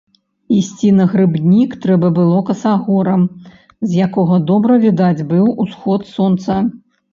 Ісці на грыбнік трэба было касагорам, з якога добра відаць быў усход сонца.